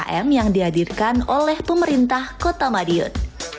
umkm yang dihadirkan oleh pemerintah kota madiun